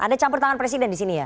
anda campur tangan presiden disini ya